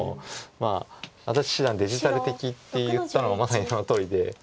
まあ安達七段デジタル的って言ったのはまさにそのとおりで。